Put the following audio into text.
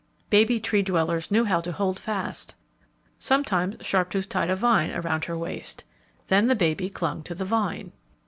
Baby Tree dwellers knew how to hold fast. Sometimes Sharptooth tied a vine around her waist. Then the baby clung to the vine.